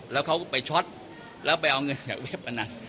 แล้วเขาไปช็อตแล้วไปเอาเงินให้เว็บอันนั้น